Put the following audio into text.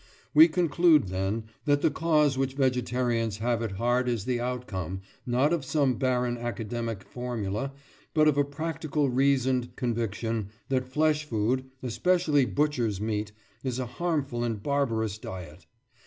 We conclude, then, that the cause which vegetarians have at heart is the outcome, not of some barren academic formula, but of a practical reasoned conviction that flesh food, especially butchers' meat, is a harmful and barbarous diet.